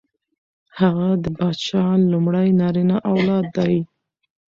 هغه د پادشاه لومړی نارینه اولاد دی.